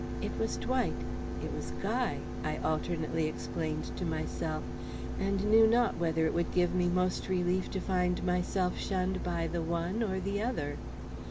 "It was Dwight; it was Guy," I alternately explained to myself, and knew not whether it would give me most relief to find myself shunned by the one or the other.